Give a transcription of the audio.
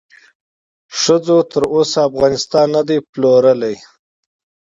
ښځو تر اوسه افغانستان ندې پلورلی